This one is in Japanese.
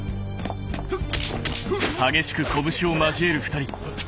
あっ！